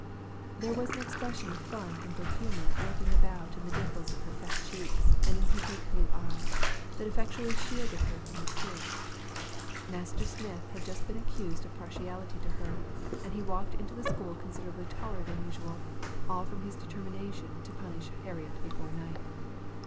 There was an expression of fun and good humor lurking about in the dimples of her fat cheeks and in her deep blue eye, that effectually shielded her from reproof. Master Smith had just been accused of partiality to her, and he walked into the school considerably taller than usual, all from his determination to punish Harriet before night.